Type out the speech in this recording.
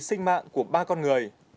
sinh mạng của ba con người